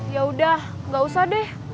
yaudah gak usah deh